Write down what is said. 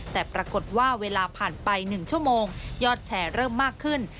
แต่ปรากฏว่าเวลาผ่านไป๑ชั่วโมงยอดแชร์เริ่มมากขึ้น